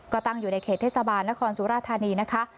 ก็ตั้งอยู่ในเขตเทศบาลนครสุราธานีนะคะ